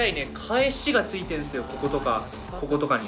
こことかこことかに。